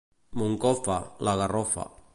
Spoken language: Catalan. Moncofa, la garrofa.